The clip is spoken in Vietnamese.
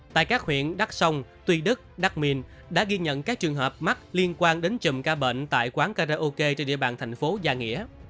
tại các huyện đắk sông tuy đức đắk mìn đã ghi nhận các trường hợp mắc liên quan đến trùm ca bệnh tại quán karaoke trên địa bàn thành phố gia nghĩa